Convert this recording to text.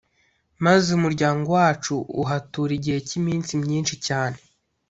maze umuryango wacu uhatura igihe cy’iminsi myinshi cyane.